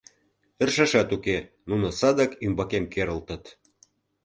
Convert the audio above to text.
Ӧршашат уке, нуно садак ӱмбакем керылтыт.